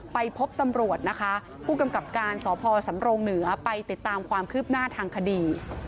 ไปพบตำรวจนะคะผู้กำกับการสพสำรงเหนือไปติดตามความคืบหน้าทางคดี